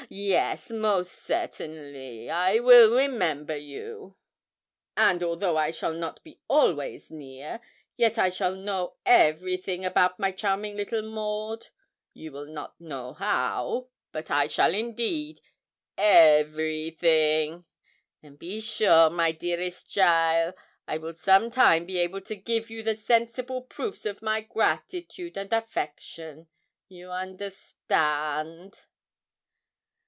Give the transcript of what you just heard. Yes; most certainly, I will remember you. 'And although I shall not be always near, yet I shall know everything about my charming little Maud; you will not know how, but I shall indeed, everything. And be sure, my dearest cheaile, I will some time be able to give you the sensible proofs of my gratitude and affection you understand.